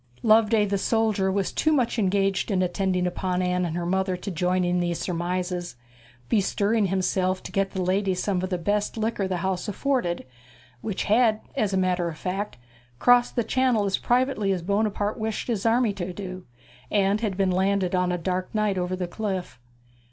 Loveday the soldier was too much engaged in attending upon Anne and her mother to join in these surmises, bestirring himself to get the ladies some of the best liquor the house afforded, which had, as a matter of fact, crossed the Channel as privately as Buonaparte wished his army to do, and had been landed on a dark night over the cliff.